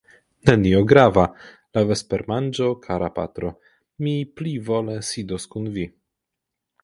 Nenio grava, la vespermanĝo, kara patro; mi plivole sidos kun vi.